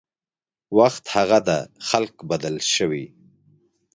وخت هغه ده خلک بدل شوي